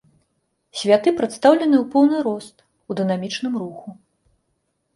Святы прадстаўлены ў поўны рост, у дынамічным руху.